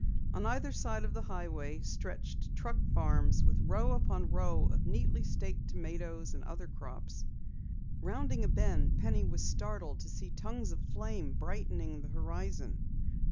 On either side of the highway stretched truck farms with row upon row of neatly staked tomatoes and other crops. Rounding a bend, Penny was startled to see tongues of flame brightening the horizon.